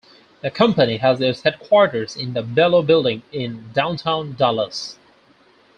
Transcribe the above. The company has its headquarters in the Belo Building in Downtown Dallas.